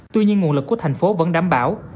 tuy nhiên nguồn lực của thành phố vẫn đảm bảo